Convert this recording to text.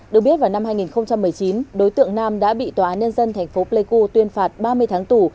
được biết vào năm hai nghìn một mươi chín đối tượng nam đã bị tòa án nhân dân thành phố pleiku tuyên phạt ba mươi tháng tù